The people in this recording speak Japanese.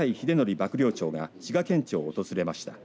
幕僚長が滋賀県庁を訪れました。